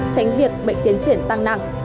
tránh việc bệnh tiến triển tăng nặng